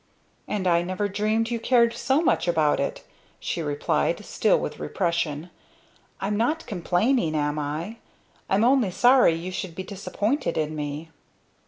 "And I never dreamed you cared so much about it," she replied, still with repression. "I'm not complaining, am I? I'm only sorry you should be disappointed in me."